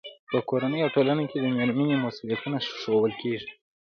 په کورنۍ او ټولنه کې د مېرمنې مسؤلیتونه ښوول کېږي.